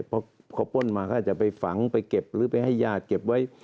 เพราะเขาป้นมาก็อาจจะไปฝังไปเก็บหรือไปให้ญาติเก็บไว้